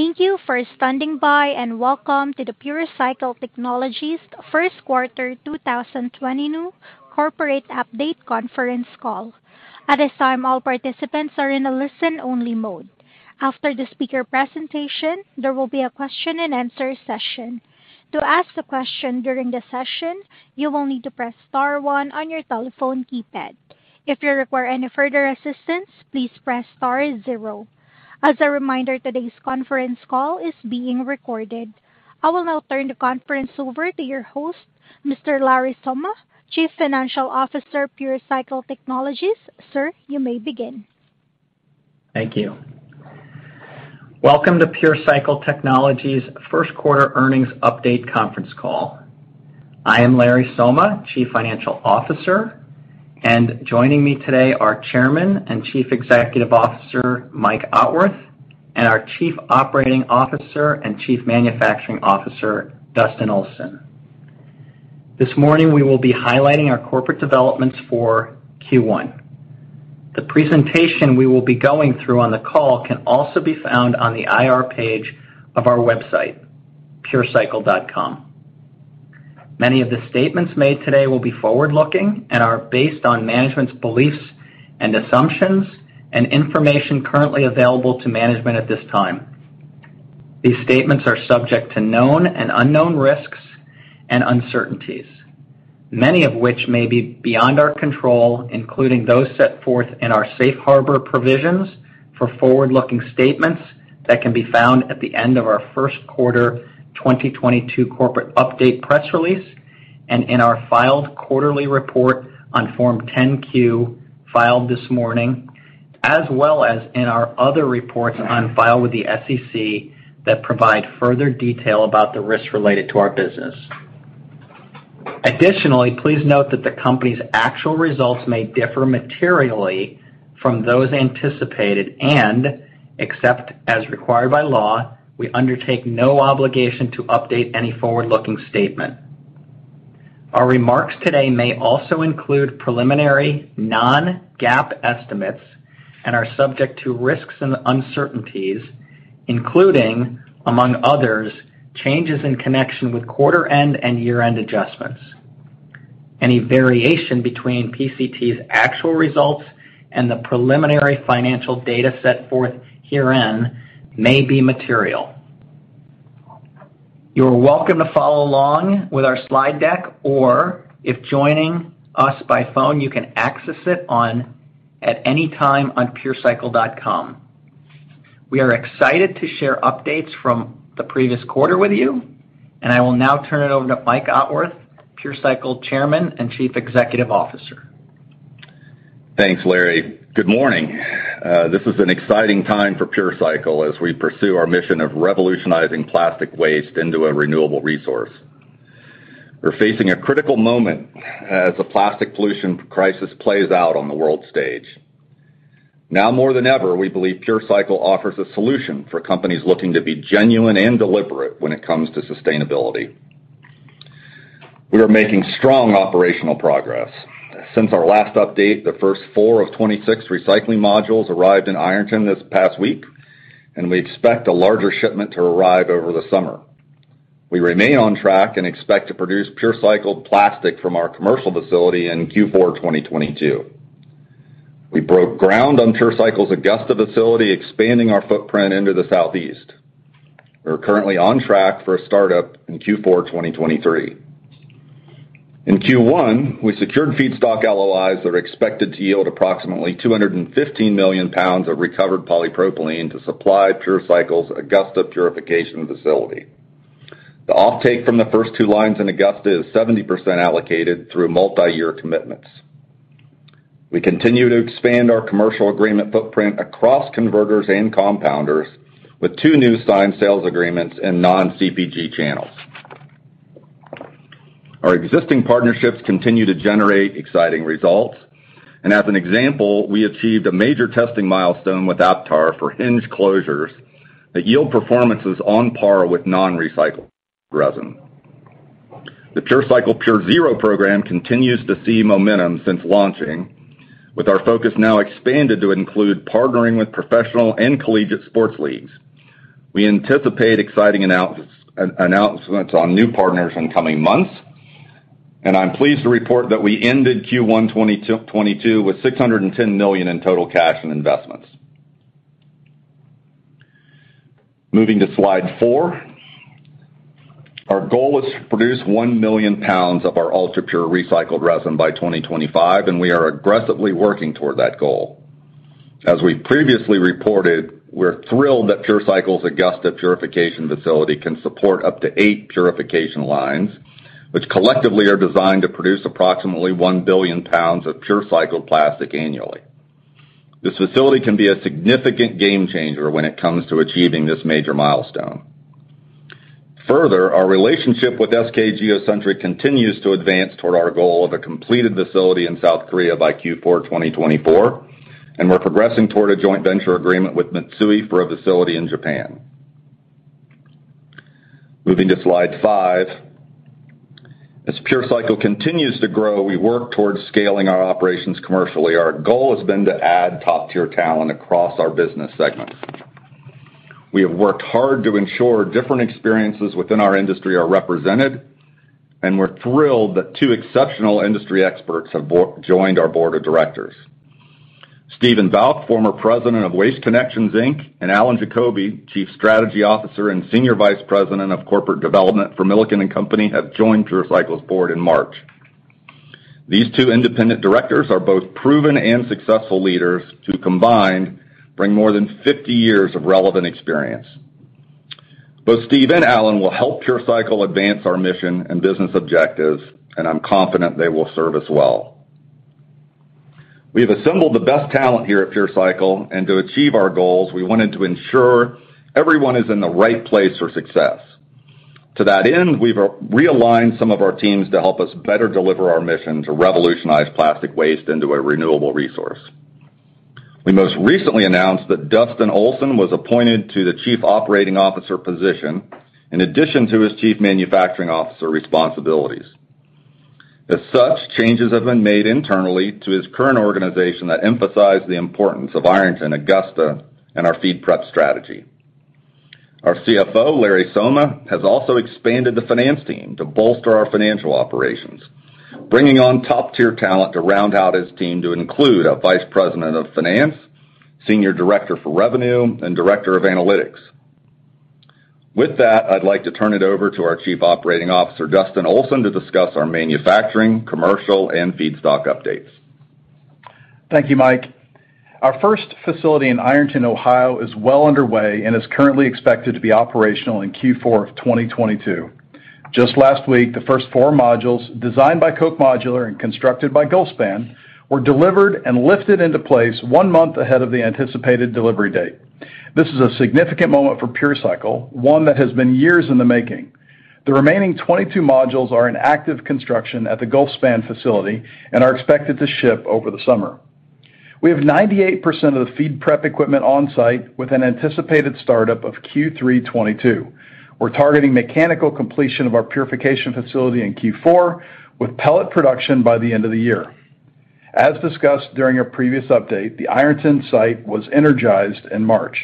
Thank you for standing by, and welcome to the PureCycle Technologies first quarter 2023 corporate update conference call. At this time, all participants are in a listen-only mode. After the speaker presentation, there will be a question and answer session. To ask a question during the session, you will need to press star one on your telephone keypad. If you require any further assistance, please press star zero. As a reminder, today's conference call is being recorded. I will now turn the conference over to your host, Mr. Larry Somma, Chief Financial Officer, PureCycle Technologies. Sir, you may begin. Thank you. Welcome to PureCycle Technologies' first quarter earnings update conference call. I am Larry Somma, Chief Financial Officer, and joining me today are Chairman and Chief Executive Officer, Mike Otworth, and our Chief Operating Officer and Chief Manufacturing Officer, Dustin Olson. This morning, we will be highlighting our corporate developments for Q1. The presentation we will be going through on the call can also be found on the IR page of our website, purecycle.com. Many of the statements made today will be forward-looking and are based on management's beliefs and assumptions and information currently available to management at this time. These statements are subject to known and unknown risks and uncertainties, many of which may be beyond our control, including those set forth in our safe harbor provisions for forward-looking statements that can be found at the end of our first quarter 2022 corporate update press release and in our filed quarterly report on Form 10-Q filed this morning, as well as in our other reports on file with the SEC that provide further detail about the risks related to our business. Additionally, please note that the company's actual results may differ materially from those anticipated, and except as required by law, we undertake no obligation to update any forward-looking statement. Our remarks today may also include preliminary non-GAAP estimates and are subject to risks and uncertainties, including, among others, changes in connection with quarter-end and year-end adjustments. Any variation between PCT's actual results and the preliminary financial data set forth herein may be material. You're welcome to follow along with our slide deck, or if joining us by phone, you can access it at any time on purecycle.com. We are excited to share updates from the previous quarter with you, and I will now turn it over to Mike Otworth, PureCycle Chairman and Chief Executive Officer. Thanks, Larry. Good morning. This is an exciting time for PureCycle as we pursue our mission of revolutionizing plastic waste into a renewable resource. We're facing a critical moment as the plastic pollution crisis plays out on the world stage. Now more than ever, we believe PureCycle offers a solution for companies looking to be genuine and deliberate when it comes to sustainability. We are making strong operational progress. Since our last update, the first four of 26 recycling modules arrived in Ironton this past week, and we expect a larger shipment to arrive over the summer. We remain on track and expect to produce PureCycle plastic from our commercial facility in Q4 2022. We broke ground on PureCycle's Augusta facility, expanding our footprint into the southeast. We're currently on track for a startup in Q4 2023. In Q1, we secured feedstock LOIs that are expected to yield approximately 215 million pounds of recovered polypropylene to supply PureCycle's Augusta purification facility. The offtake from the first two lines in Augusta is 70% allocated through multiyear commitments. We continue to expand our commercial agreement footprint across converters and compounders with two new signed sales agreements in non-CPG channels. Our existing partnerships continue to generate exciting results. As an example, we achieved a major testing milestone with Aptar for hinge closures that yield performances on par with non-recycled resin. The PureCycle PureZero program continues to see momentum since launching, with our focus now expanded to include partnering with professional and collegiate sports leagues. We anticipate exciting announcements on new partners in coming months, and I'm pleased to report that we ended Q1 2022 with $610 million in total cash and investments. Moving to slide four. Our goal is to produce one million pounds of our ultra-pure recycled resin by 2025, and we are aggressively working toward that goal. As we previously reported, we're thrilled that PureCycle's Augusta purification facility can support up to eight purification lines, which collectively are designed to produce approximately one billion pounds of PureCycle plastic annually. This facility can be a significant game changer when it comes to achieving this major milestone. Further, our relationship with SK Geocentric continues to advance toward our goal of a completed facility in South Korea by Q4 2024, and we're progressing toward a joint venture agreement with Mitsui for a facility in Japan. Moving to slide five. As PureCycle continues to grow, we work towards scaling our operations commercially. Our goal has been to add top-tier talent across our business segments. We have worked hard to ensure different experiences within our industry are represented, and we're thrilled that two exceptional industry experts have joined our board of directors. Steven Bouck, Former President of Waste Connections Inc., and Allen Jacoby, Chief Strategy Officer and Senior Vice President of Corporate Development for Milliken & Company, have joined PureCycle's board in March. These two independent directors are both proven and successful leaders who combined bring more than 50 years of relevant experience. Both Steve and Allen will help PureCycle advance our mission and business objectives, and I'm confident they will serve us well. We have assembled the best talent here at PureCycle, and to achieve our goals, we wanted to ensure everyone is in the right place for success. To that end, we've realigned some of our teams to help us better deliver our mission to revolutionize plastic waste into a renewable resource. We most recently announced that Dustin Olson was appointed to the Chief Operating Officer position in addition to his Chief Manufacturing Officer responsibilities. As such, changes have been made internally to his current organization that emphasize the importance of Ironton, Augusta, and our feed prep strategy. Our CFO, Larry Somma, has also expanded the finance team to bolster our financial operations, bringing on top-tier talent to round out his team to include a Vice President of Finance, Senior Director for Revenue, and Director of Analytics. With that, I'd like to turn it over to our Chief Operating Officer, Dustin Olson, to discuss our manufacturing, commercial, and feedstock updates. Thank you, Mike. Our first facility in Ironton, Ohio is well underway and is currently expected to be operational in Q4 of 2022. Just last week, the first four modules designed by Koch Modular and constructed by Gulfspan were delivered and lifted into place one month ahead of the anticipated delivery date. This is a significant moment for PureCycle, one that has been years in the making. The remaining 22 modules are in active construction at the Gulfspan facility and are expected to ship over the summer. We have 98% of the feed prep equipment on-site with an anticipated startup of Q3 2022. We're targeting mechanical completion of our purification facility in Q4 with pellet production by the end of the year. As discussed during our previous update, the Ironton site was energized in March.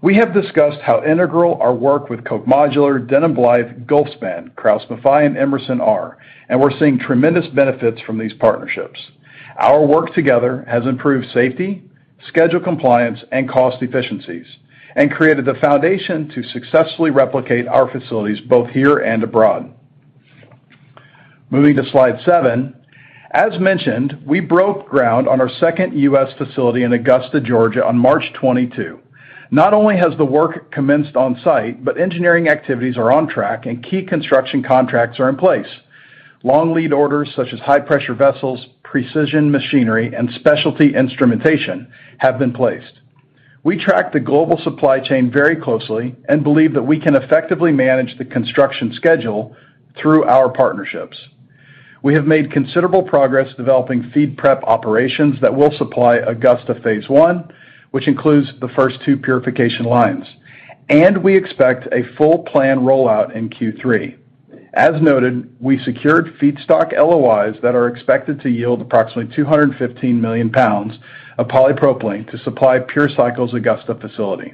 We have discussed how integral our work with Koch Modular, Denham-Blythe, Gulfspan, KraussMaffei, and Emerson are, and we're seeing tremendous benefits from these partnerships. Our work together has improved safety, schedule compliance, and cost efficiencies and created the foundation to successfully replicate our facilities both here and abroad. Moving to slide seven. As mentioned, we broke ground on our second U.S facility in Augusta, Georgia, on March 22. Not only has the work commenced on-site, but engineering activities are on track and key construction contracts are in place. Long lead orders such as high pressure vessels, precision machinery, and specialty instrumentation have been placed. We track the global supply chain very closely and believe that we can effectively manage the construction schedule through our partnerships. We have made considerable progress developing feed prep operations that will supply Augusta phase one, which includes the first two purification lines. We expect a full plan rollout in Q3. As noted, we secured feedstock LOIs that are expected to yield approximately 215 million pounds of polypropylene to supply PureCycle's Augusta facility.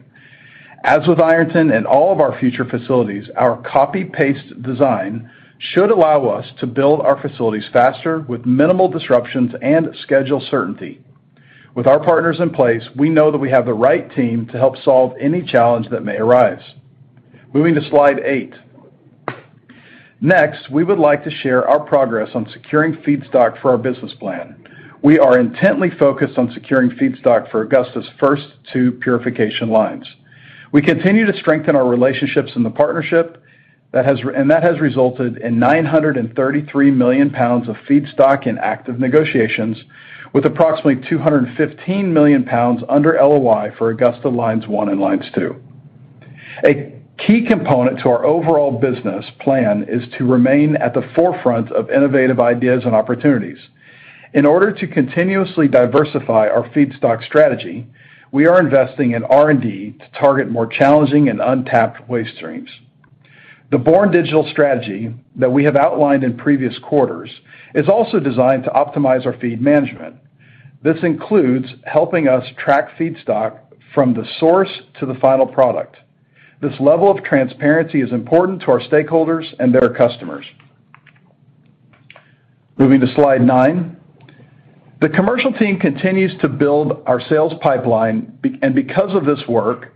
As with Ironton and all of our future facilities, our copy-paste design should allow us to build our facilities faster with minimal disruptions and schedule certainty. With our partners in place, we know that we have the right team to help solve any challenge that may arise. Moving to slide eight. Next, we would like to share our progress on securing feedstock for our business plan. We are intently focused on securing feedstock for Augusta's first two purification lines. We continue to strengthen our relationships in the partnership that has resulted in 933 million pounds of feedstock in active negotiations with approximately 215 million pounds under LOI for Augusta lines one and two. A key component to our overall business plan is to remain at the forefront of innovative ideas and opportunities. In order to continuously diversify our feedstock strategy, we are investing in R&D to target more challenging and untapped waste streams. The Born Digital strategy that we have outlined in previous quarters is also designed to optimize our feed management. This includes helping us track feedstock from the source to the final product. This level of transparency is important to our stakeholders and their customers. Moving to slide nine. The commercial team continues to build our sales pipeline and because of this work,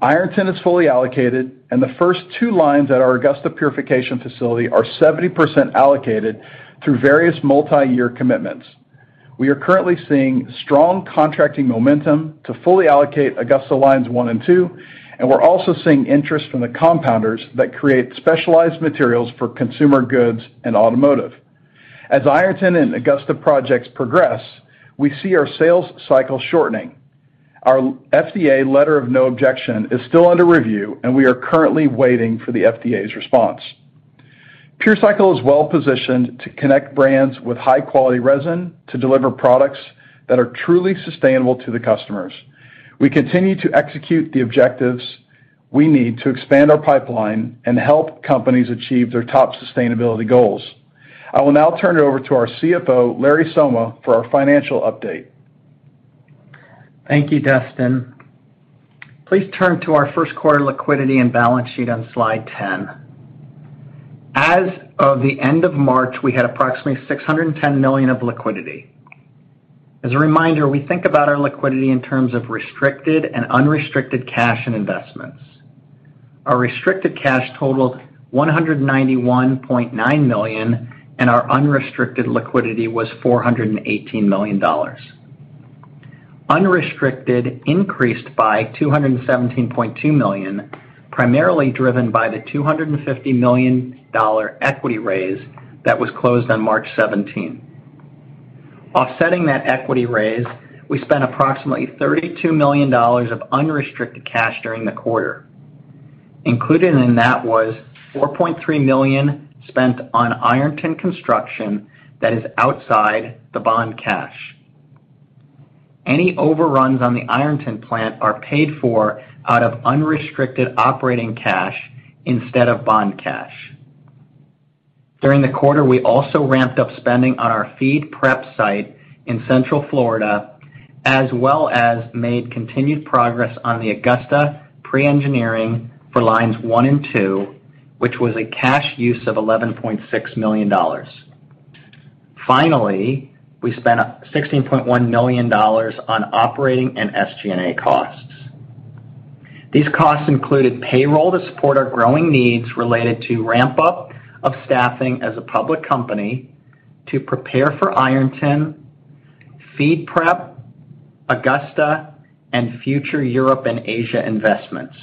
Ironton is fully allocated and the first two lines at our Augusta purification facility are 70% allocated through various multi-year commitments. We are currently seeing strong contracting momentum to fully allocate Augusta lines one and two, and we're also seeing interest from the compounders that create specialized materials for consumer goods and automotive. As Ironton and Augusta projects progress, we see our sales cycle shortening. Our FDA letter of no objection is still under review, and we are currently waiting for the FDA's response. PureCycle is well positioned to connect brands with high-quality resin to deliver products that are truly sustainable to the customers. We continue to execute the objectives we need to expand our pipeline and help companies achieve their top sustainability goals. I will now turn it over to our CFO, Larry Somma, for our financial update. Thank you, Dustin. Please turn to our first quarter liquidity and balance sheet on slide 10. As of the end of March, we had approximately $610 million of liquidity. As a reminder, we think about our liquidity in terms of restricted and unrestricted cash and investments. Our restricted cash totaled $191.9 million, and our unrestricted liquidity was $418 million. Unrestricted increased by $217.2 million, primarily driven by the $250 million equity raise that was closed on March 17. Offsetting that equity raise, we spent approximately $32 million of unrestricted cash during the quarter. Included in that was $4.3 million spent on Ironton construction that is outside the bond cash. Any overruns on the Ironton plant are paid for out of unrestricted operating cash instead of bond cash. During the quarter, we also ramped up spending on our feed prep site in Central Florida, as well as made continued progress on the Augusta pre-engineering for lines one and two, which was a cash use of $11.6 million. Finally, we spent $16.1 million on operating and SG&A costs. These costs included payroll to support our growing needs related to ramp-up of staffing as a public company to prepare for Ironton, feed prep, Augusta, and future Europe and Asia investments.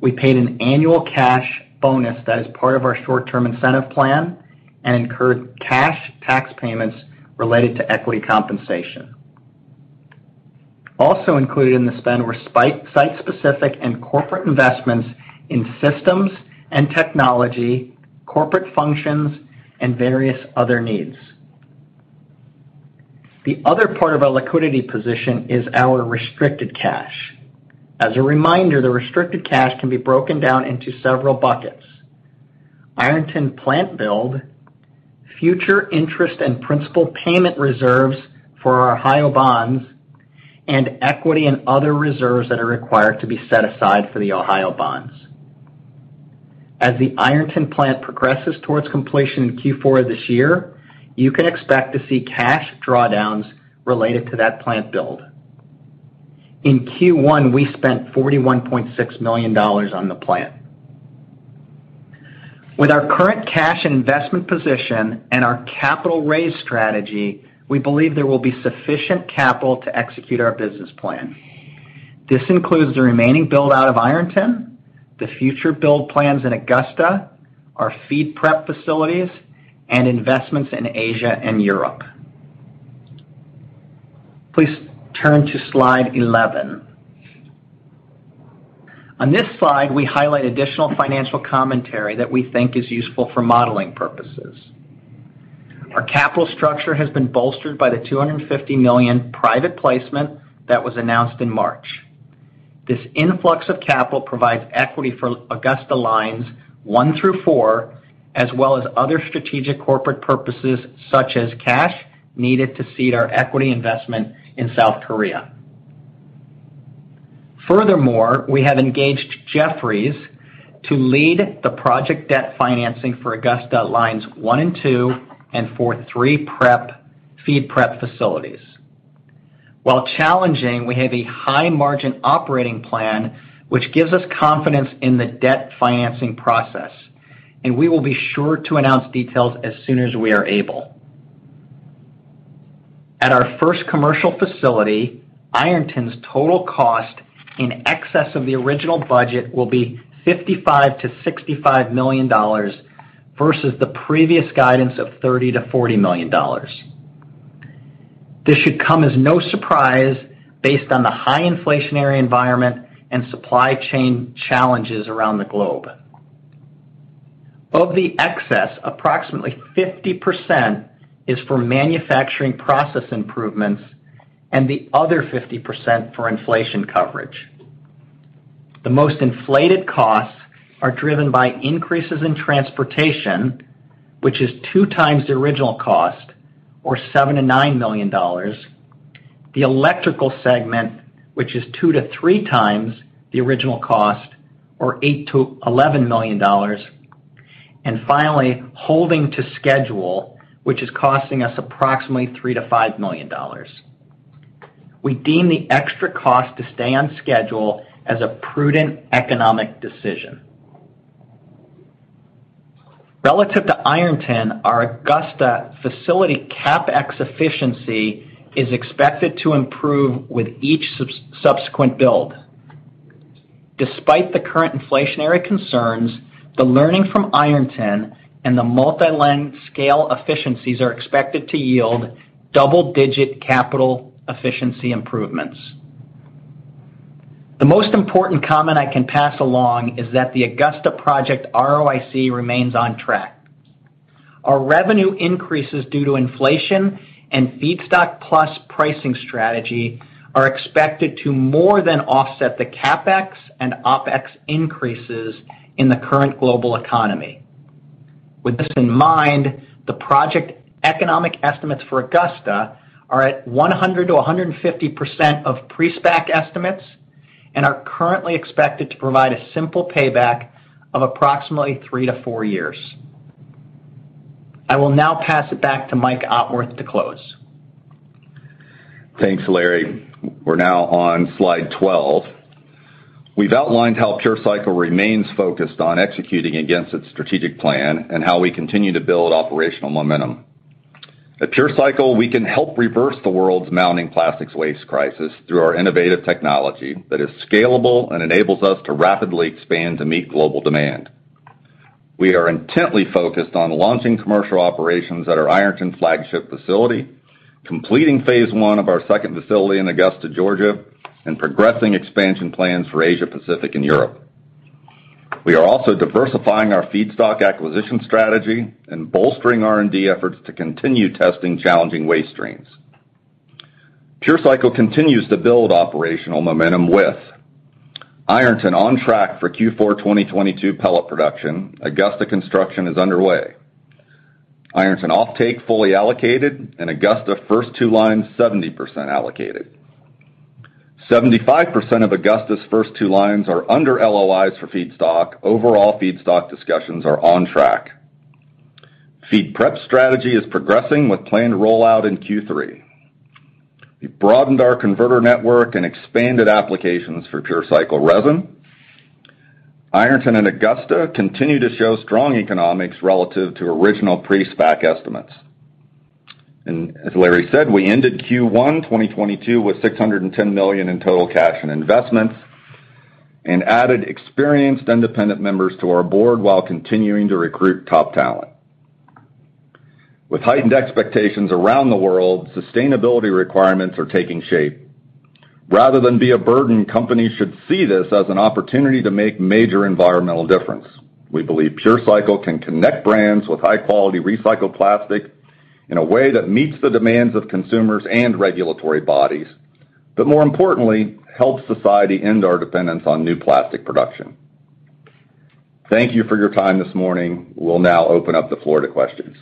We paid an annual cash bonus that is part of our short-term incentive plan and incurred cash tax payments related to equity compensation. Also included in the spend were site-specific and corporate investments in systems and technology, corporate functions, and various other needs. The other part of our liquidity position is our restricted cash. As a reminder, the restricted cash can be broken down into several buckets. Ironton plant build, future interest and principal payment reserves for our Ohio bonds, and equity and other reserves that are required to be set aside for the Ohio bonds. As the Ironton plant progresses towards completion in Q4 of this year, you can expect to see cash drawdowns related to that plant build. In Q1, we spent $41.6 million on the plant. With our current cash investment position and our capital raise strategy, we believe there will be sufficient capital to execute our business plan. This includes the remaining build-out of Ironton, the future build plans in Augusta, our feed prep facilities, and investments in Asia and Europe. Please turn to slide 11. On this slide, we highlight additional financial commentary that we think is useful for modeling purposes. Our capital structure has been bolstered by the $250 million private placement that was announced in March. This influx of capital provides equity for Augusta lines one through four, as well as other strategic corporate purposes, such as cash needed to seed our equity investment in South Korea. Furthermore, we have engaged Jefferies to lead the project debt financing for Augusta lines one and two and for three feed prep facilities. While challenging, we have a high margin operating plan which gives us confidence in the debt financing process, and we will be sure to announce details as soon as we are able. At our first commercial facility, Ironton's total cost in excess of the original budget will be $55-$65 million versus the previous guidance of $30-$40 million. This should come as no surprise based on the high inflationary environment and supply chain challenges around the globe. Of the excess, approximately 50% is for manufacturing process improvements and the other 50% for inflation coverage. The most inflated costs are driven by increases in transportation, which is two times the original cost, or $7-$9 million. The electrical segment, which is two to three times the original cost, or $8-$11 million. Finally, holding to schedule, which is costing us approximately $3-$5 million. We deem the extra cost to stay on schedule as a prudent economic decision. Relative to Ironton, our Augusta facility CapEx efficiency is expected to improve with each subsequent build. Despite the current inflationary concerns, the learning from Ironton and the multi-scale efficiencies are expected to yield double-digit capital efficiency improvements. The most important comment I can pass along is that the Augusta project ROIC remains on track. Our revenue increases due to inflation and feedstock plus pricing strategy are expected to more than offset the CapEx and OpEx increases in the current global economy. With this in mind, the project economic estimates for Augusta are at 100%-150% of pre-SPAC estimates and are currently expected to provide a simple payback of approximately three to four years. I will now pass it back to Mike Otworth to close. Thanks, Larry. We're now on slide 12. We've outlined how PureCycle remains focused on executing against its strategic plan and how we continue to build operational momentum. At PureCycle, we can help reverse the world's mounting plastics waste crisis through our innovative technology that is scalable and enables us to rapidly expand to meet global demand. We are intently focused on launching commercial operations at our Ironton flagship facility, completing phase I of our second facility in Augusta, Georgia, and progressing expansion plans for Asia Pacific and Europe. We are also diversifying our feedstock acquisition strategy and bolstering R&D efforts to continue testing challenging waste streams. PureCycle continues to build operational momentum with Ironton on track for Q4 2022 pellet production. Augusta construction is underway. Ironton offtake fully allocated and Augusta first two lines, 70% allocated. 75% of Augusta's first two lines are under LOIs for feedstock. Overall feedstock discussions are on track. Feed prep strategy is progressing with planned rollout in Q3. We've broadened our converter network and expanded applications for PureCycle resin. Ironton and Augusta continue to show strong economics relative to original pre-SPAC estimates. As Larry said, we ended Q1 2022 with $610 million in total cash and investments and added experienced independent members to our board while continuing to recruit top talent. With heightened expectations around the world, sustainability requirements are taking shape. Rather than be a burden, companies should see this as an opportunity to make major environmental difference. We believe PureCycle can connect brands with high-quality recycled plastic in a way that meets the demands of consumers and regulatory bodies, but more importantly, helps society end our dependence on new plastic production. Thank you for your time this morning. We'll now open up the floor to questions.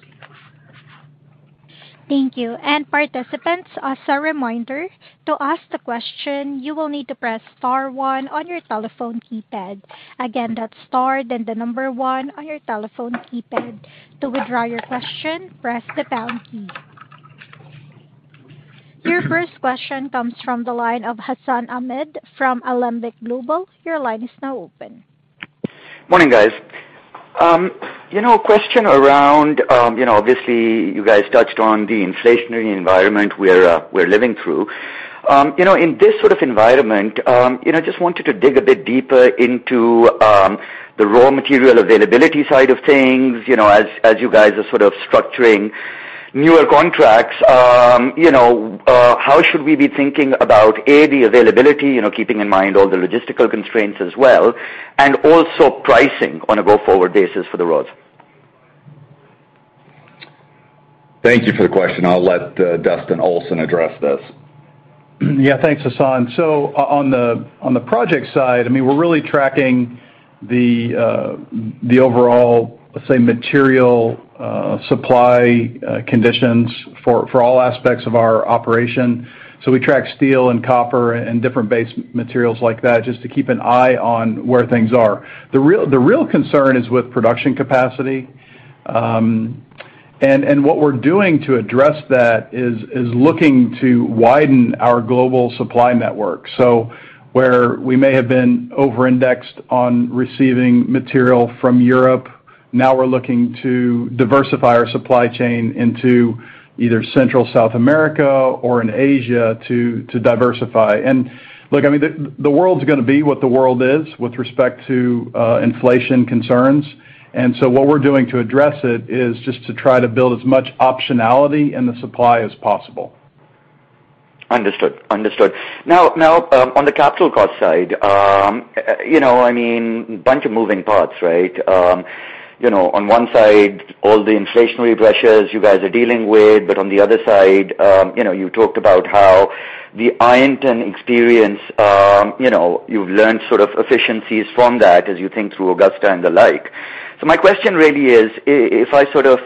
Thank you. Participants, as a reminder, to ask the question, you will need to press star one on your telephone keypad. Again, that's star then the number one on your telephone keypad. To withdraw your question, press the pound key. Your first question comes from the line of Hassan Ahmed from Alembic Global. Your line is now open. Morning, guys. You know, question around, you know, obviously you guys touched on the inflationary environment we're living through. You know, in this sort of environment, you know, just wanted to dig a bit deeper into the raw material availability side of things, you know, as you guys are sort of structuring newer contracts, you know, how should we be thinking about, A, the availability, you know, keeping in mind all the logistical constraints as well, and also pricing on a go-forward basis for the raws? Thank you for the question. I'll let Dustin Olson address this. Yeah, thanks, Hassan. On the project side, I mean, we're really tracking the overall, let's say, material supply conditions for all aspects of our operation. We track steel and copper and different base materials like that, just to keep an eye on where things are. The real concern is with production capacity. What we're doing to address that is looking to widen our global supply network. Where we may have been over-indexed on receiving material from Europe, now we're looking to diversify our supply chain into either Central South America or in Asia to diversify. Look, I mean, the world's gonna be what the world is with respect to inflation concerns. What we're doing to address it is just to try to build as much optionality in the supply as possible. Understood. Now, on the capital cost side, you know, I mean, bunch of moving parts, right? You know, on one side, all the inflationary pressures you guys are dealing with, but on the other side, you know, you talked about how the Ironton experience, you know, you've learned sort of efficiencies from that as you think through Augusta and the like. My question really is if I sort of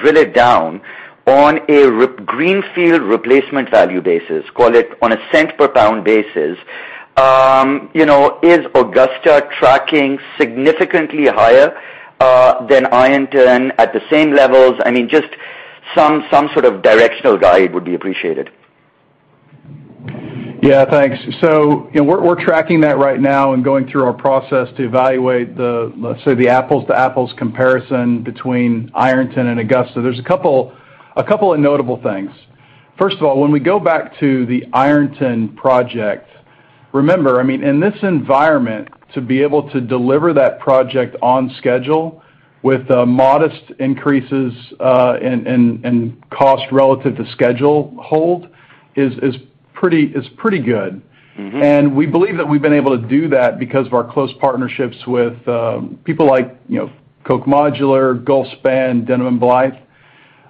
drill it down on a greenfield replacement value basis, call it on a cent per pound basis, you know, is Augusta tracking significantly higher than Ironton at the same levels? I mean, just some sort of directional guide would be appreciated. Yeah, thanks. You know, we're tracking that right now and going through our process to evaluate the, let's say, the apples to apples comparison between Ironton and Augusta. There's a couple of notable things. First of all, when we go back to the Ironton project, remember, I mean, in this environment, to be able to deliver that project on schedule with modest increases and cost relative to schedule hold is pretty good. Mm-hmm. We believe that we've been able to do that because of our close partnerships with people like, you know, Koch Modular, Gulfspan, Denham-Blythe.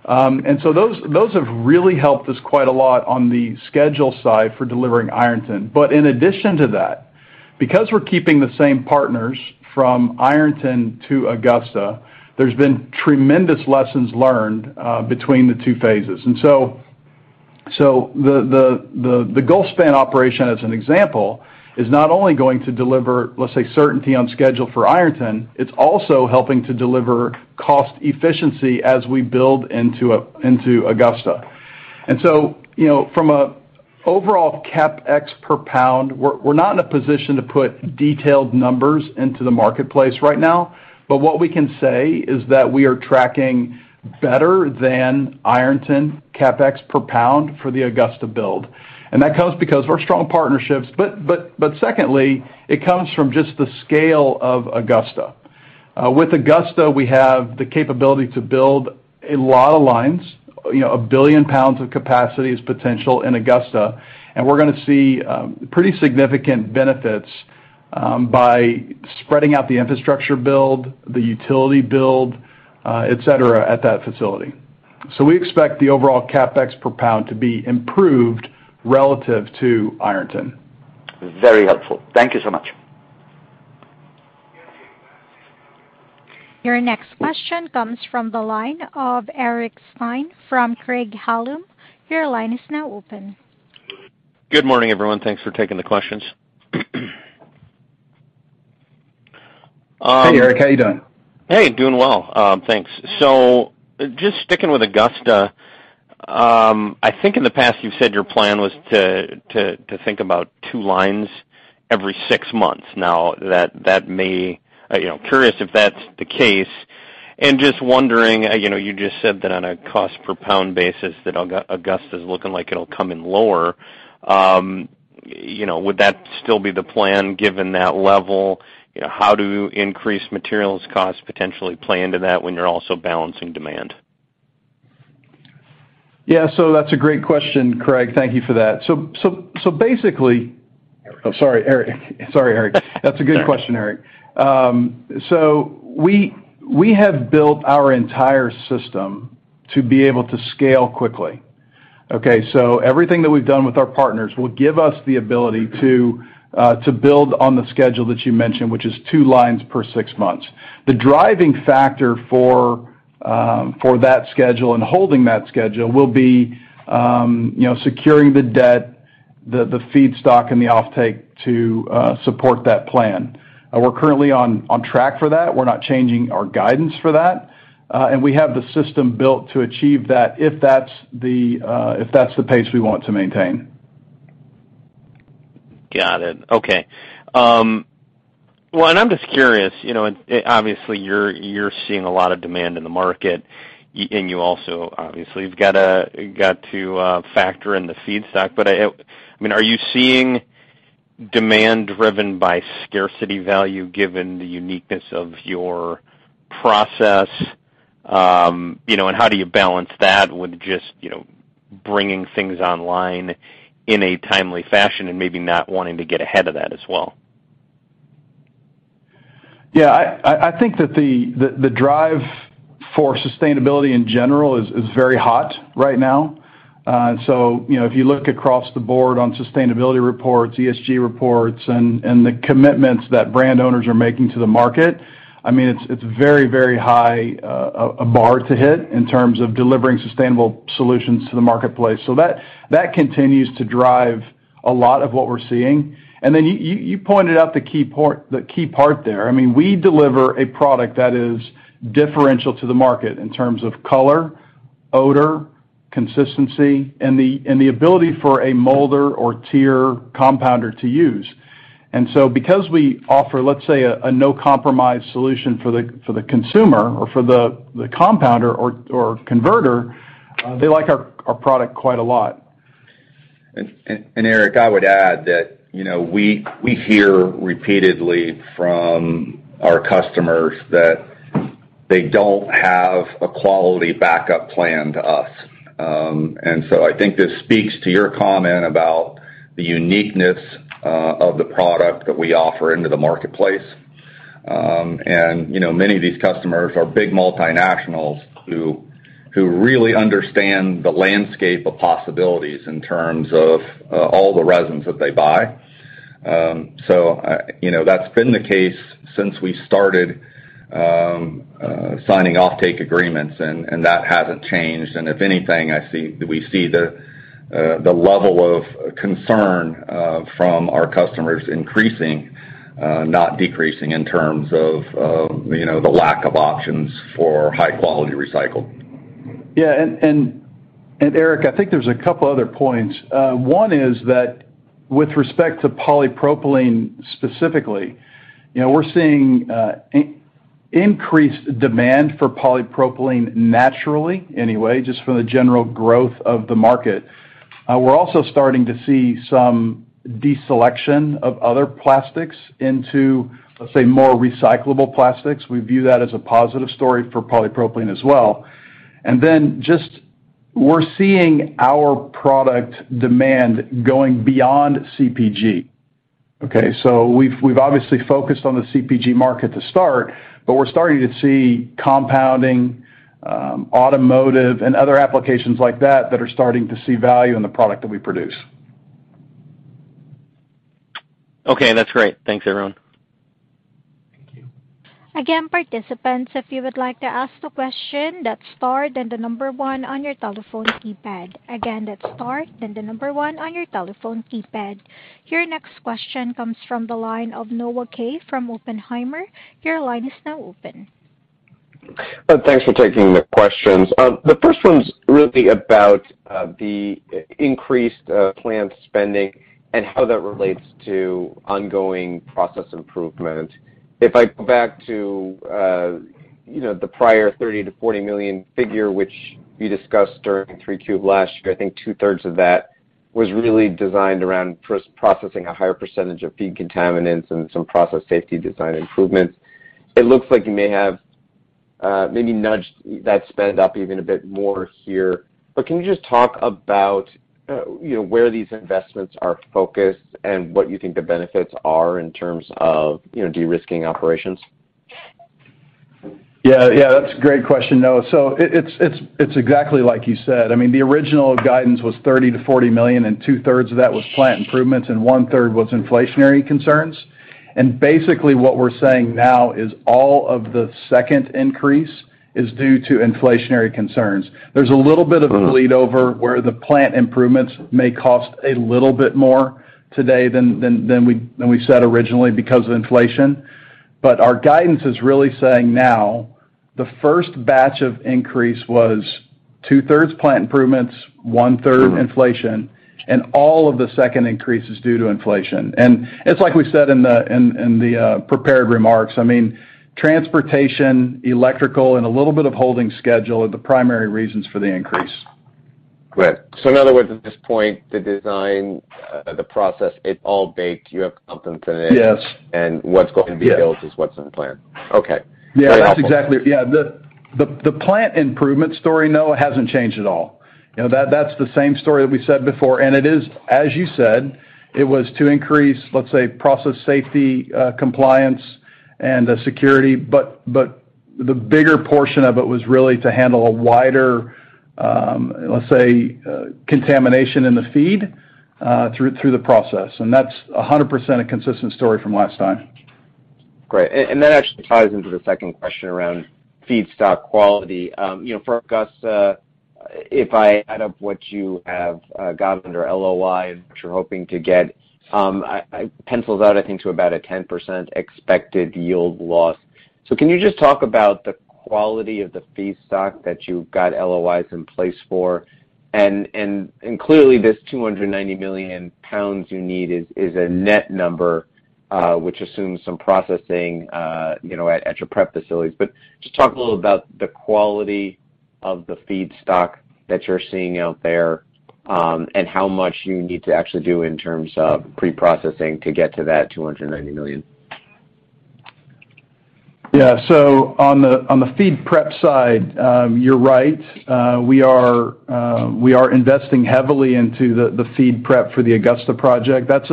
Those have really helped us quite a lot on the schedule side for delivering Ironton. But in addition to that, because we're keeping the same partners from Ironton to Augusta, there's been tremendous lessons learned between the two phases. So the Gulfspan operation, as an example, is not only going to deliver, let's say, certainty on schedule for Ironton, it's also helping to deliver cost efficiency as we build into Augusta. You know, from an overall CapEx per pound, we're not in a position to put detailed numbers into the marketplace right now. What we can say is that we are tracking better than Ironton CapEx per pound for the Augusta build. That comes because of our strong partnerships. Secondly, it comes from just the scale of Augusta. With Augusta, we have the capability to build a lot of lines, you know, one billion pounds of capacity is potential in Augusta, and we're gonna see pretty significant benefits by spreading out the infrastructure build, the utility build, et cetera at that facility. We expect the overall CapEx per pound to be improved relative to Ironton. Very helpful. Thank you so much. Your next question comes from the line of Eric Stine from Craig-Hallum. Your line is now open. Good morning, everyone. Thanks for taking the questions. Hey, Eric, how you doing? Hey, doing well. Thanks. So just sticking with Augusta, I think in the past you've said your plan was to think about two lines every six months. Now that may. You know, curious if that's the case. Just wondering, you know, you just said that on a cost per pound basis that Augusta is looking like it'll come in lower. You know, would that still be the plan given that level? You know, how do increased materials costs potentially play into that when you're also balancing demand? Yeah. That's a great question, Eric. Thank you for that. Basically. Eric. Oh, sorry, Eric. That's a good question, Eric. We have built our entire system to be able to scale quickly, okay? Everything that we've done with our partners will give us the ability to build on the schedule that you mentioned, which is two lines per six months. The driving factor for that schedule and holding that schedule will be, you know, securing the debt, the feedstock and the offtake to support that plan. We're currently on track for that. We're not changing our guidance for that. We have the system built to achieve that if that's the pace we want to maintain. Got it. Okay. Well, I'm just curious, you know, obviously, you're seeing a lot of demand in the market, and you also obviously have got to factor in the feedstock. I mean, are you seeing demand driven by scarcity value given the uniqueness of your process? You know, how do you balance that with just, you know, bringing things online in a timely fashion and maybe not wanting to get ahead of that as well? Yeah, I think that the drive for sustainability in general is very hot right now. You know, if you look across the board on sustainability reports, ESG reports and the commitments that brand owners are making to the market, I mean, it's very high, a bar to hit in terms of delivering sustainable solutions to the marketplace. That continues to drive a lot of what we're seeing. You pointed out the key part there. I mean, we deliver a product that is differential to the market in terms of color, odor, consistency, and the ability for a molder or tier compounder to use. Because we offer, let's say, a no compromise solution for the consumer or for the compounder or converter, they like our product quite a lot. Eric, I would add that, you know, we hear repeatedly from our customers that they don't have a quality backup plan to us. I think this speaks to your comment about the uniqueness of the product that we offer into the marketplace. You know, many of these customers are big multinationals who really understand the landscape of possibilities in terms of all the resins that they buy. You know, that's been the case since we started signing offtake agreements and that hasn't changed. If anything, we see the level of concern from our customers increasing, not decreasing in terms of the lack of options for high quality recycled. Yeah. Eric, I think there's a couple other points. One is that with respect to polypropylene specifically, you know, we're seeing increased demand for polypropylene naturally anyway, just from the general growth of the market. We're also starting to see some deselection of other plastics into, let's say, more recyclable plastics. We view that as a positive story for polypropylene as well. Just, we're seeing our product demand going beyond CPG, okay? We've obviously focused on the CPG market to start, but we're starting to see compounding, automotive and other applications like that that are starting to see value in the product that we produce. Okay, that's great. Thanks, everyone. Thank you. Again, participants, if you would like to ask the question, that's star, then the number one on your telephone keypad. Again, that's star, then the number one on your telephone keypad. Your next question comes from the line of Noah Kaye from Oppenheimer. Your line is now open. Thanks for taking the questions. The first one's really about the increased planned spending and how that relates to ongoing process improvement. If I go back to, you know, the prior $30-40 million figure, which you discussed during 3Q last year, I think two-thirds of that was really designed around processing a higher percentage of feed contaminants and some process safety design improvements. It looks like you may have maybe nudged that spend up even a bit more here. Can you just talk about, you know, where these investments are focused and what you think the benefits are in terms of, you know, de-risking operations? Yeah. Yeah, that's a great question, Noah. It's exactly like you said. I mean, the original guidance was $30 million-$40 million, and two-thirds of that was plant improvements, and one-third was inflationary concerns. Basically, what we're saying now is all of the second increase is due to inflationary concerns. There's a little bit of a bleed over where the plant improvements may cost a little bit more today than we said originally because of inflation. Our guidance is really saying now the first batch of increase was two-thirds plant improvements, one-third inflation, and all of the second increase is due to inflation. It's like we said in the prepared remarks. I mean, transportation, electrical, and a little bit of holding schedule are the primary reasons for the increase. Great. In other words, at this point, the design, the process, it's all baked. You have confidence in it. Yes What's going to be built is what's in plan. Okay. Very helpful. Yeah, that's exactly. Yeah. The plant improvement story, Noah, hasn't changed at all. You know, that's the same story that we said before. It is, as you said, it was to increase, let's say, process safety, compliance and security. But the bigger portion of it was really to handle a wider, let's say, contamination in the feed, through the process. That's 100% a consistent story from last time. Great. And that actually ties into the second question around feedstock quality. You know, for Augusta, if I add up what you have got under LOI, which you're hoping to get, pencils out, I think, to about a 10% expected yield loss. So can you just talk about the quality of the feedstock that you've got LOIs in place for? And clearly, this 290 million pounds you need is a net number, which assumes some processing, you know, at your prep facilities. But just talk a little about the quality of the feedstock that you're seeing out there, and how much you need to actually do in terms of pre-processing to get to that 290 million. Yeah. On the feed prep side, you're right. We are investing heavily into the feed prep for the Augusta project. That's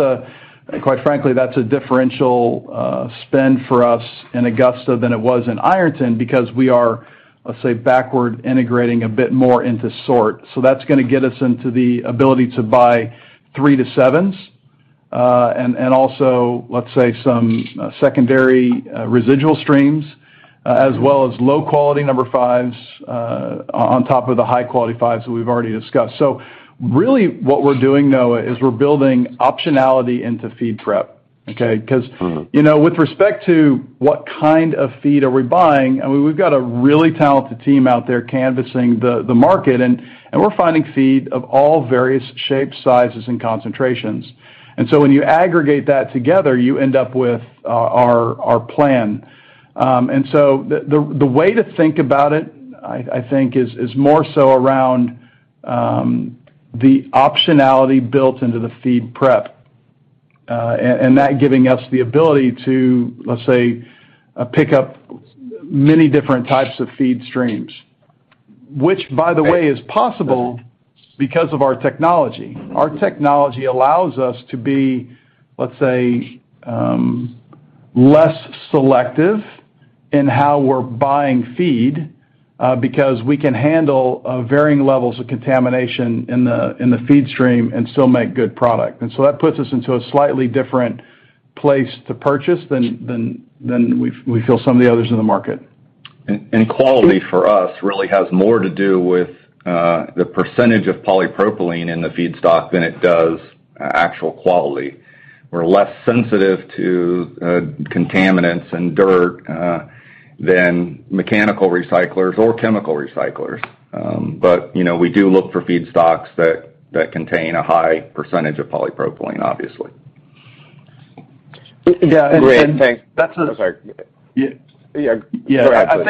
quite frankly, that's a differential spend for us in Augusta than it was in Ironton because we are, let's say, backward integrating a bit more into sort. That's gonna get us into the ability to buy three to sevens, and also, let's say, some secondary residual streams, as well as low-quality number fives, on top of the high-quality fives that we've already discussed. Really what we're doing, Noah, is we're building optionality into feed prep, okay? Mm-hmm You know, with respect to what kind of feed are we buying, I mean, we've got a really talented team out there canvassing the market and we're finding feed of all various shapes, sizes, and concentrations. When you aggregate that together, you end up with our plan. The way to think about it, I think is more so around the optionality built into the feed prep and that giving us the ability to, let's say, pick up many different types of feed streams, which by the way, is possible because of our technology. Our technology allows us to be, let's say, less selective in how we're buying feed because we can handle varying levels of contamination in the feed stream and still make good product. That puts us into a slightly different place to purchase than we feel some of the others in the market. Quality for us really has more to do with the percentage of polypropylene in the feedstock than it does actual quality. We're less sensitive to contaminants and dirt than mechanical recyclers or chemical recyclers. You know, we do look for feedstocks that contain a high percentage of polypropylene, obviously. Yeah. Great. Thanks. I'm sorry. Yeah. Yeah. Go ahead. I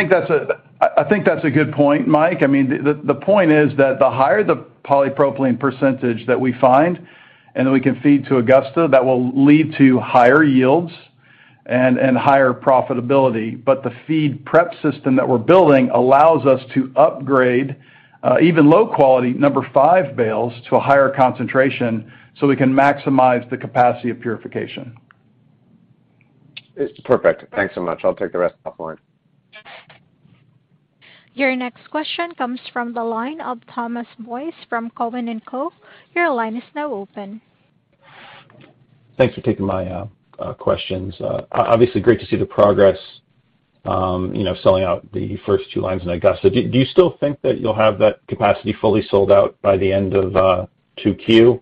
think that's a good point, Mike. I mean, the point is that the higher the polypropylene percentage that we find and that we can feed to Augusta, that will lead to higher yields and higher profitability. But the feed prep system that we're building allows us to upgrade even low quality number five bales to a higher concentration so we can maximize the capacity of purification. It's perfect. Thanks so much. I'll take the rest offline. Your next question comes from the line of Thomas Boyes from Cowen and Company. Your line is now open. Thanks for taking my questions. Obviously great to see the progress, you know, selling out the first two lines in Augusta. Do you still think that you'll have that capacity fully sold out by the end of 2Q?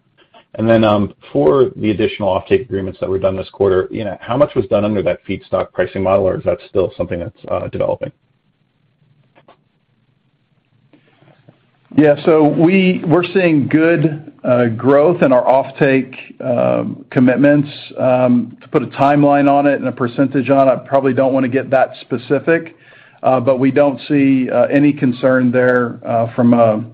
For the additional offtake agreements that were done this quarter, you know, how much was done under that feedstock pricing model, or is that still something that's developing? Yeah. We're seeing good growth in our offtake commitments. To put a timeline on it and a percentage on it, I probably don't wanna get that specific. We don't see any concern there from a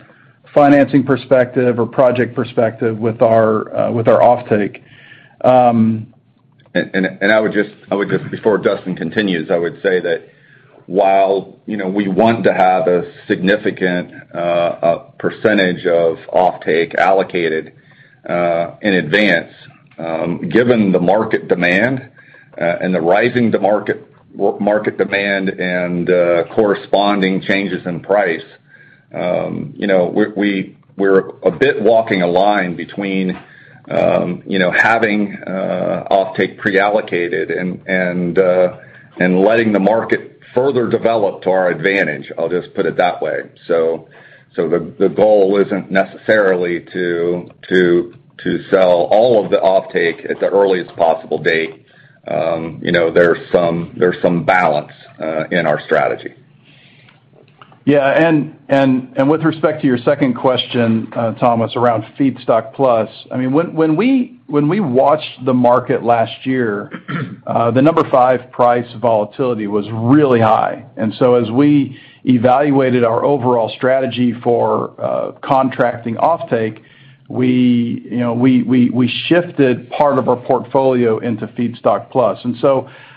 financing perspective or project perspective with our offtake. I would just before Dustin continues, I would say that while, you know, we want to have a significant percentage of offtake allocated in advance, given the market demand and the rising demand, well, market demand and corresponding changes in price, you know, we're a bit walking a line between, you know, having offtake pre-allocated and letting the market further develop to our advantage. I'll just put it that way. The goal isn't necessarily to sell all of the offtake at the earliest possible date. You know, there's some balance in our strategy. With respect to your second question, Thomas, around feedstock plus, I mean, when we watched the market last year, the number five price volatility was really high. As we evaluated our overall strategy for contracting offtake, we, you know, shifted part of our portfolio into feedstock plus.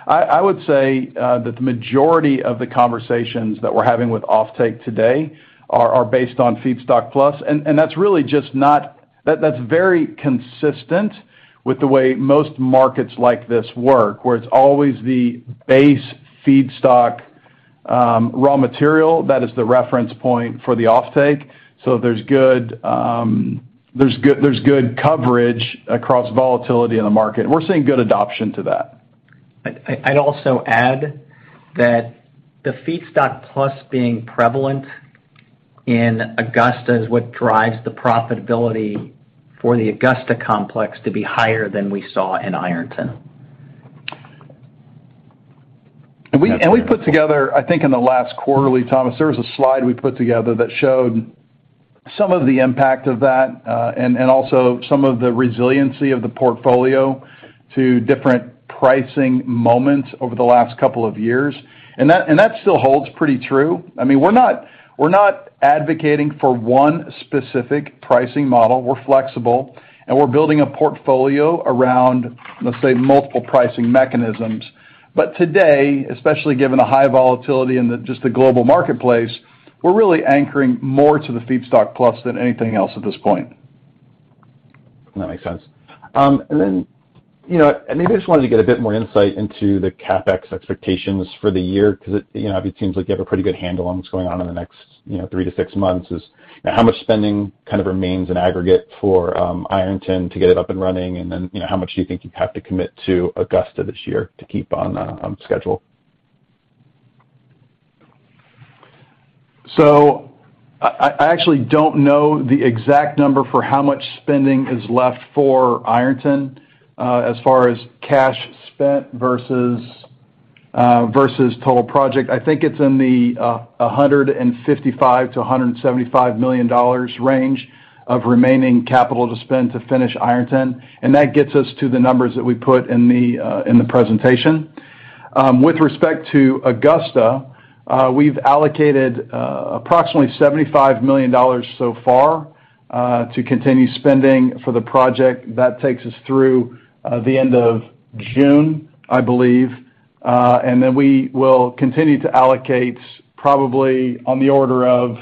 I would say that the majority of the conversations that we're having with offtake today are based on feedstock plus. That's very consistent with the way most markets like this work, where it's always the base feedstock raw material that is the reference point for the offtake. There's good coverage across volatility in the market. We're seeing good adoption to that. I'd also add that the feedstock plus being prevalent in Augusta is what drives the profitability for the Augusta complex to be higher than we saw in Ironton. We put together, I think in the last quarter, Thomas, there was a slide we put together that showed some of the impact of that, and also some of the resiliency of the portfolio to different pricing moments over the last couple of years. That still holds pretty true. I mean, we're not advocating for one specific pricing model. We're flexible, and we're building a portfolio around, let's say, multiple pricing mechanisms. But today, especially given the high volatility in just the global marketplace, we're really anchoring more to the feedstock plus than anything else at this point. That makes sense. You know, and maybe I just wanted to get a bit more insight into the CapEx expectations for the year because it, you know, it seems like you have a pretty good handle on what's going on in the next, you know, three to six months, is how much spending kind of remains in aggregate for Ironton to get it up and running, and then, you know, how much do you think you have to commit to Augusta this year to keep on schedule? I actually don't know the exact number for how much spending is left for Ironton, as far as cash spent versus total project. I think it's in the $155 million-$175 million range of remaining capital to spend to finish Ironton. That gets us to the numbers that we put in the presentation. With respect to Augusta, we've allocated approximately $75 million so far to continue spending for the project. That takes us through the end of June, I believe. We will continue to allocate probably on the order of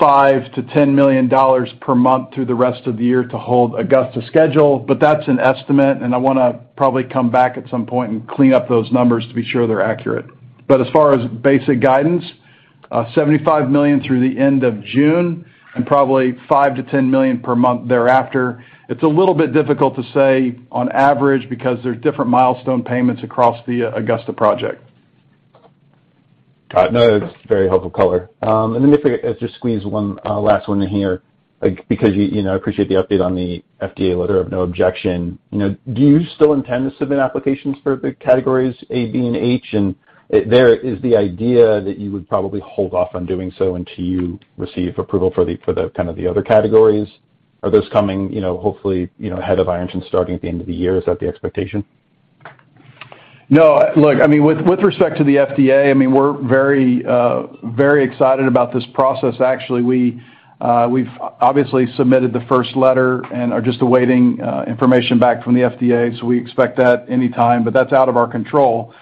$5 million-$10 million per month through the rest of the year to hold Augusta's schedule. That's an estimate, and I wanna probably come back at some point and clean up those numbers to be sure they're accurate. As far as basic guidance, $75 million through the end of June and probably $5 million-$10 million per month thereafter. It's a little bit difficult to say on average because there's different milestone payments across the Augusta project. Got it. No, that's very helpful color. If I could just squeeze one last one in here because you know, I appreciate the update on the FDA letter of no objection. You know, do you still intend to submit applications for the categories A, B, and H? There is the idea that you would probably hold off on doing so until you receive approval for the kind of the other categories. Are those coming, you know, hopefully, you know, ahead of Ironton starting at the end of the year? Is that the expectation? No, look, I mean, with respect to the FDA, I mean, we're very excited about this process. Actually, we've obviously submitted the first letter and are just awaiting information back from the FDA, so we expect that any time, but that's out of our control.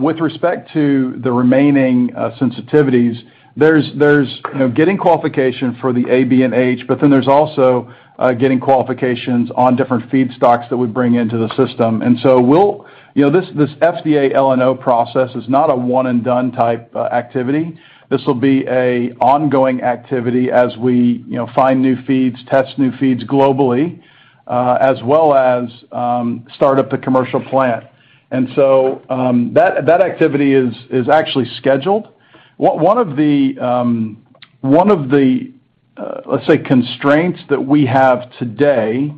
With respect to the remaining sensitivities, there's you know, getting qualification for the AB and H, but then there's also getting qualifications on different feedstocks that we bring into the system. You know, this FDA LNO process is not a one-and-done type activity. This will be a ongoing activity as we you know, find new feeds, test new feeds globally, as well as start up the commercial plant. That activity is actually scheduled. One of the, let's say, constraints that we have today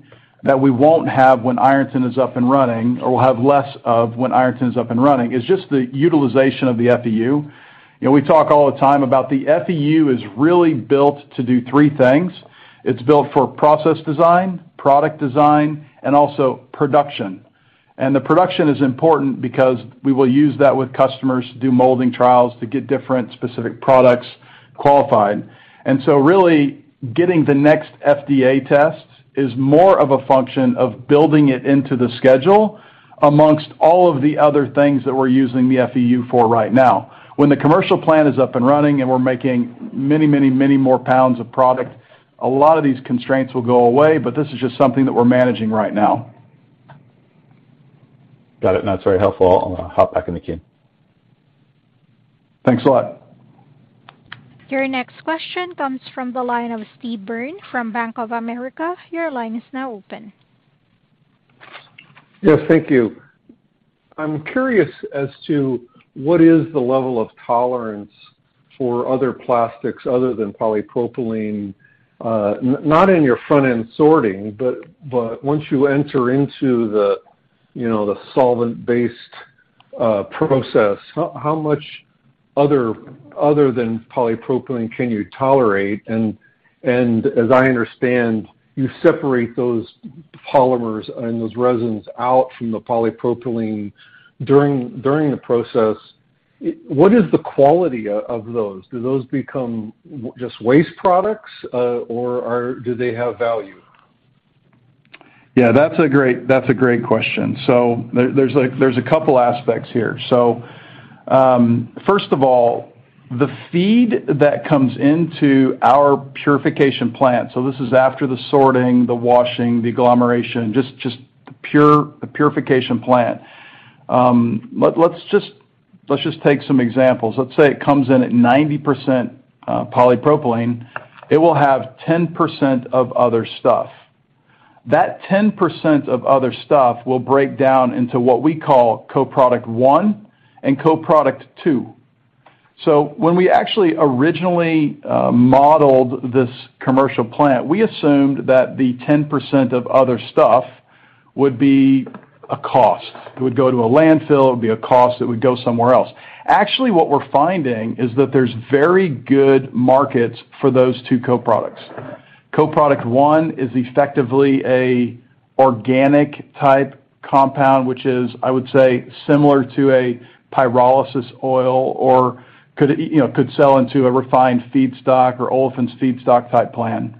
that we won't have when Ironton is up and running or will have less of when Ironton is up and running is just the utilization of the FEU. You know, we talk all the time about the FEU is really built to do three things. It's built for process design, product design, and also production. The production is important because we will use that with customers to do molding trials to get different specific products qualified. Really getting the next FDA test is more of a function of building it into the schedule among all of the other things that we're using the FEU for right now. When the commercial plan is up and running and we're making many, many, many more pounds of product, a lot of these constraints will go away, but this is just something that we're managing right now. Got it. That's very helpful. I'm gonna hop back in the queue. Thanks a lot. Your next question comes from the line of Steve Byrne from Bank of America. Your line is now open. Yes, thank you. I'm curious as to what is the level of tolerance for other plastics other than polypropylene, not in your front-end sorting, but once you enter into the, you know, the solvent-based process, how much other than polypropylene can you tolerate? As I understand, you separate those polymers and those resins out from the polypropylene during the process. What is the quality of those? Do those become just waste products, or do they have value? Yeah, that's a great question. There's a couple aspects here. First of all, the feed that comes into our purification plant. This is after the sorting, the washing, the agglomeration, just the purification plant. Let's take some examples. Let's say it comes in at 90% polypropylene. It will have 10% of other stuff. That 10% of other stuff will break down into what we call co-product one and co-product two. When we actually originally modeled this commercial plant, we assumed that the 10% of other stuff would be a cost. It would go to a landfill. It would be a cost that would go somewhere else. Actually, what we're finding is that there's very good markets for those two co-products. Co-product one is effectively an organic type compound, which is, I would say, similar to a pyrolysis oil or could, you know, could sell into a refined feedstock or olefins feedstock type plant.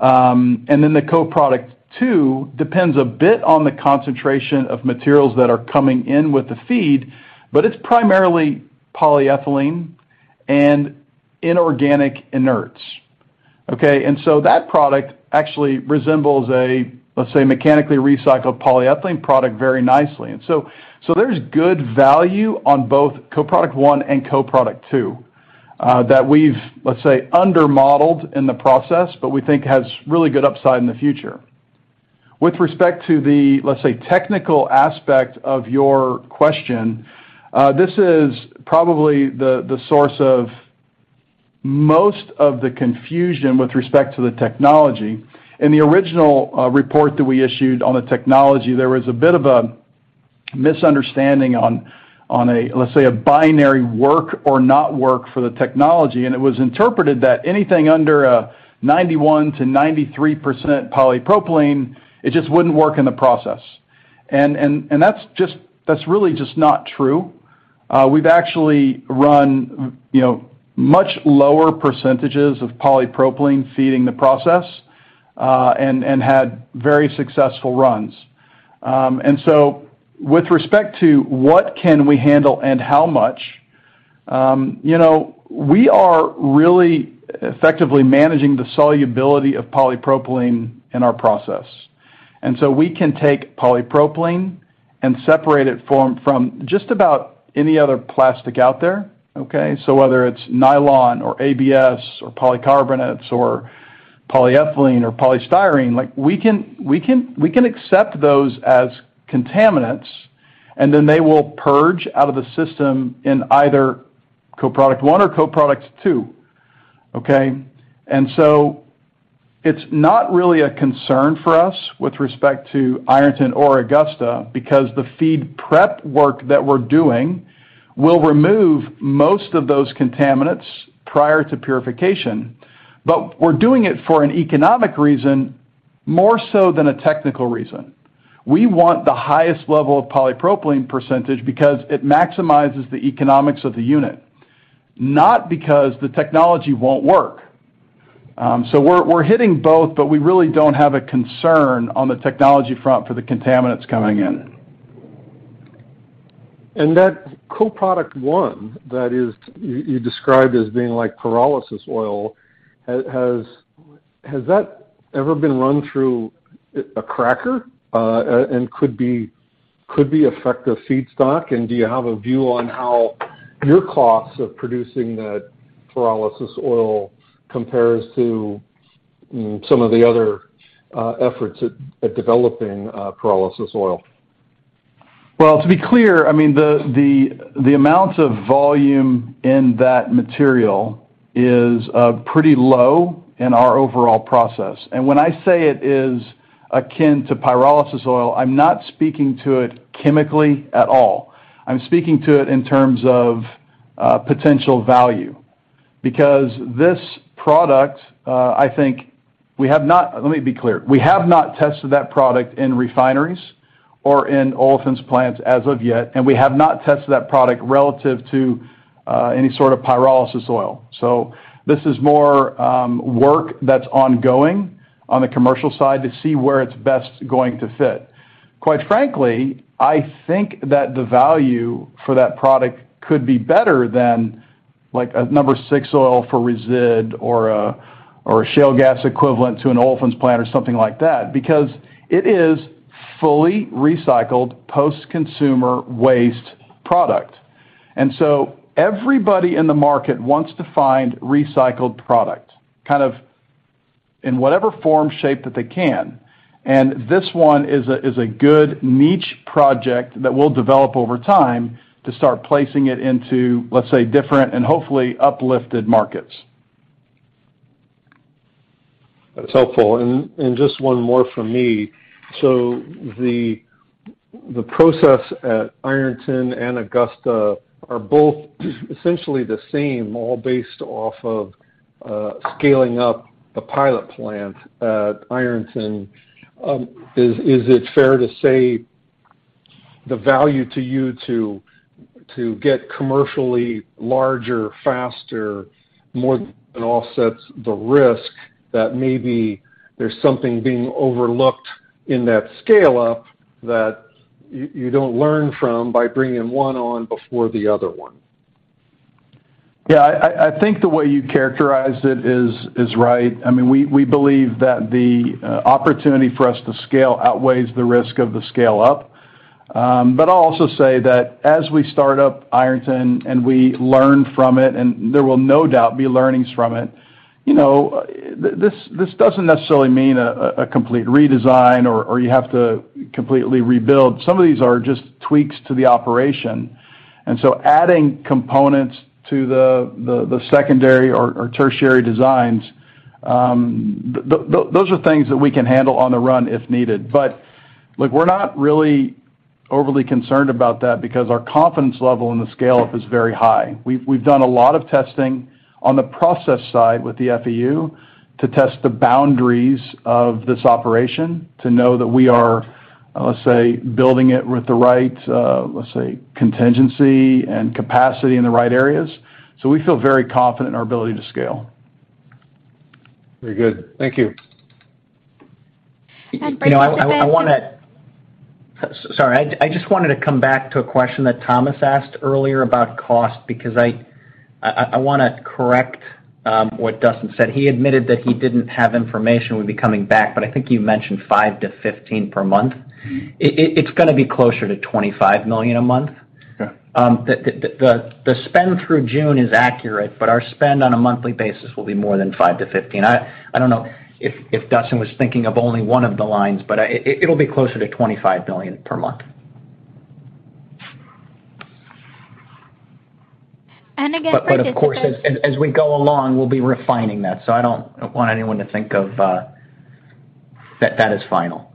The co-product two depends a bit on the concentration of materials that are coming in with the feed, but it's primarily polyethylene and inorganic inerts, okay? That product actually resembles a, let's say, mechanically recycled polyethylene product very nicely. So there's good value on both co-product one and co-product two that we've, let's say, under-modeled in the process, but we think has really good upside in the future. With respect to the, let's say, technical aspect of your question, this is probably the source of most of the confusion with respect to the technology. In the original report that we issued on the technology, there was a bit of a misunderstanding on, let's say, a binary work or not work for the technology, and it was interpreted that anything under 91%-93% polypropylene, it just wouldn't work in the process. That's really just not true. We've actually run, you know, much lower percentages of polypropylene feeding the process, and had very successful runs. With respect to what can we handle and how much, you know, we are really effectively managing the solubility of polypropylene in our process. We can take polypropylene and separate it from just about any other plastic out there, okay? Whether it's nylon or ABS or polycarbonates or polyethylene or polystyrene, like, we can accept those as contaminants, and then they will purge out of the system in either co-product one or co-product two, okay? It's not really a concern for us with respect to Ironton or Augusta because the feed prep work that we're doing will remove most of those contaminants prior to purification. We're doing it for an economic reason, more so than a technical reason. We want the highest level of polypropylene percentage because it maximizes the economics of the unit, not because the technology won't work. We're hitting both, but we really don't have a concern on the technology front for the contaminants coming in. That co-product one that is you described as being like pyrolysis oil. Has that ever been run through a cracker and could be effective feedstock? Do you have a view on how your costs of producing that pyrolysis oil compares to some of the other efforts at developing pyrolysis oil? Well, to be clear, I mean, the amount of volume in that material is pretty low in our overall process. When I say it is akin to pyrolysis oil, I'm not speaking to it chemically at all. I'm speaking to it in terms of potential value. Because this product, let me be clear. We have not tested that product in refineries or in olefins plants as of yet, and we have not tested that product relative to any sort of pyrolysis oil. This is more work that's ongoing on the commercial side to see where it's best going to fit. Quite frankly, I think that the value for that product could be better than, like, a number six oil for resid or a shale gas equivalent to an olefins plant or something like that, because it is fully recycled post-consumer waste product. Everybody in the market wants to find recycled product, kind of in whatever form, shape that they can. This one is a good niche project that we'll develop over time to start placing it into, let's say, different and hopefully uplifted markets. That's helpful. Just one more from me. The process at Ironton and Augusta are both essentially the same, all based off of scaling up the pilot plant at Ironton. Is it fair to say the value to you to get commercially larger, faster more than offsets the risk that maybe there's something being overlooked in that scale-up that you don't learn from by bringing one on before the other one? Yeah. I think the way you characterized it is right. I mean, we believe that the opportunity for us to scale outweighs the risk of the scale up. I'll also say that as we start up Ironton and we learn from it, and there will no doubt be learnings from it, you know, this doesn't necessarily mean a complete redesign or you have to completely rebuild. Some of these are just tweaks to the operation. Adding components to the secondary or tertiary designs, those are things that we can handle on the run if needed. Look, we're not really overly concerned about that because our confidence level in the scale-up is very high. We've done a lot of testing on the process side with the FEU to test the boundaries of this operation to know that we are, let's say, building it with the right, let's say, contingency and capacity in the right areas. We feel very confident in our ability to scale. Very good. Thank you. Participants. You know, sorry. I just wanted to come back to a question that Thomas asked earlier about cost because I wanna correct what Dustin said. He admitted that he didn't have information, would be coming back, but I think you mentioned $5 million-$15 million per month. It's gonna be closer to $25 million a month. Okay. The spend through June is accurate, but our spend on a monthly basis will be more than $5 million-$15 million. I don't know if Dustin was thinking of only one of the lines, but it'll be closer to $25 million per month. Again, participants. Of course, as we go along, we'll be refining that. I don't want anyone to think of that. That is final.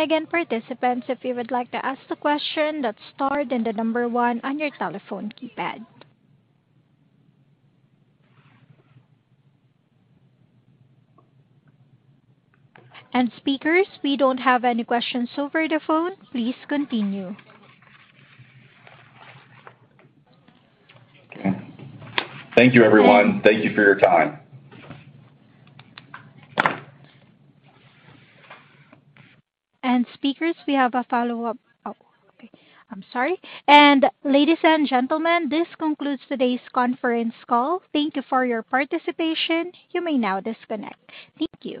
Again, participants, if you would like to ask a question, that's star then the number one on your telephone keypad. Speakers, we don't have any questions over the phone. Please continue. Okay. Thank you, everyone. Thank you for your time. Speakers, we have a follow-up. Oh, okay. I'm sorry. Ladies and gentlemen, this concludes today's conference call. Thank you for your participation. You may now disconnect. Thank you.